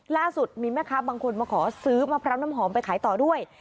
ล่าสุดมีแม่ค้าบางคนมาขอซื้อมะพร้าวน้ำหอมไปขายต่อด้วย